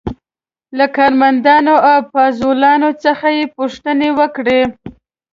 له کارمندانو او پازوالو څخه یې پوښتنې وکړې.